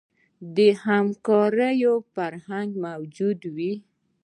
د همکارۍ فرهنګ موجود وي.